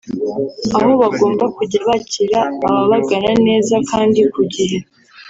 aho bagomba kujya bakira ababagana neza kandi ku gihe